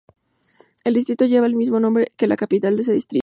El distrito lleva el mismo nombre que la capital de ese distrito.